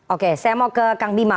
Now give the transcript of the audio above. oke saya mau ke kang bima